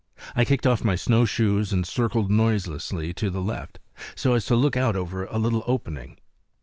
I kicked off my snowshoes and circled noiselessly to the left, so as to look out over a little opening.